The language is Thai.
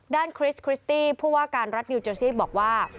คริสคริสตี้ผู้ว่าการรัฐนิวเจอร์ซี่บอกว่า